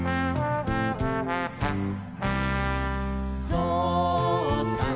「ぞうさん